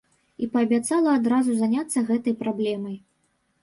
І паабяцала адразу заняцца гэтай праблемай.